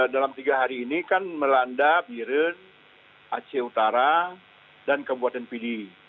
dalam tiga hari ini kan melanda biren aceh utara dan kabupaten pidi